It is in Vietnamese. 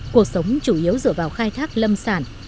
cuộc sống chủ yếu dựa vào khai thác lâm sản